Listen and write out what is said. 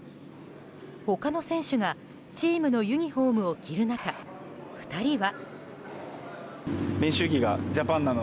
他の選手がチームのユニホームを着る中２人は。